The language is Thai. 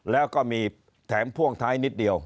แล้วก็มีแถมพ่วงท้ายนิดเดียว